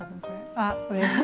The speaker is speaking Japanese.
あうれしい。